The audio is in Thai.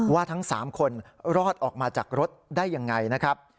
ทั้ง๓คนรอดออกมาจากรถได้ยังไงนะครับ